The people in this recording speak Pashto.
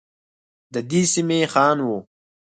ددې سمي خان وه.